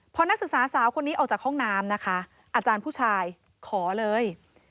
พอนักศึกษาสาวคนนี้ออกจากห้องน้ำนะคะอาจารย์ผู้ชายขอเลย